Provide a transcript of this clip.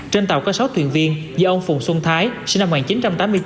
trên tàu có sáu thuyền viên do ông phùng xuân thái sinh năm một nghìn chín trăm tám mươi chín